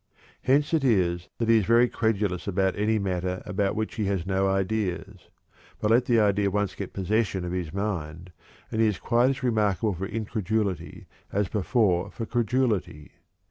Hence it is that he is very credulous about any matter about which he has no ideas; but let the idea once get possession of his mind, and he is quite as remarkable for incredulity as before for credulity.